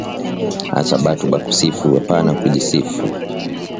Acha batu bakusifu apana kuji sifu